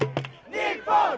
日本！